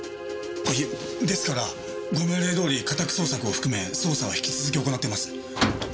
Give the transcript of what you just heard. いえですからご命令どおり家宅捜索を含め捜査は引き続き行ってます。